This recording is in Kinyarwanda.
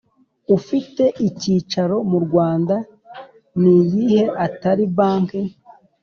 ufite icyicaro murwanda niyihe Atari banki